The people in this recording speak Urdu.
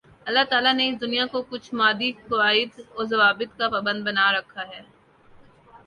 اللہ تعالیٰ نے اس دنیا کو کچھ مادی قواعد و ضوابط کا پابند بنا رکھا ہے